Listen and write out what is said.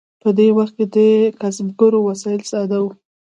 په دې وخت کې د کسبګرو وسایل ساده وو.